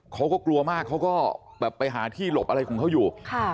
เขาก็กลัวมากเขาก็แบบไปหาที่หลบอะไรของเขาอยู่